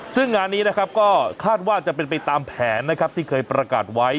ซึ่งงานนี้นะครับก็คาดว่าจะเป็นไปตามแผนนะครับที่เคยประกาศไว้